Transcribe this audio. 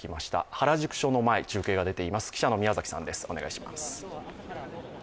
原宿署の前、中継が出ています。